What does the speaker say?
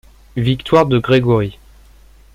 Victoire de Grégory.